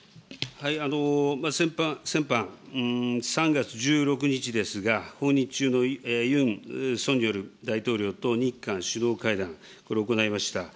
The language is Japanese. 先般、３月１６日ですが、訪日中のユン・ソンニョル大統領と日韓首脳会談、これを行いました。